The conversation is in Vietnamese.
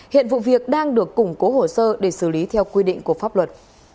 hiện vụ việc đang được củng cố hồ sơ để xử lý theo quy định của pháp luật